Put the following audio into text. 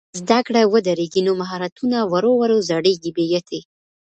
که زده کړه ودرېږي نو مهارتونه ورو ورو زړېږي بې ګټې.